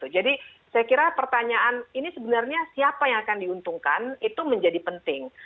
jadi saya kira pertanyaan ini sebenarnya siapa yang akan diuntungkan itu menjadi penting